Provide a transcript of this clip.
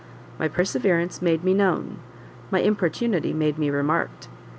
My perseverance made me known; my importunity made me remarked.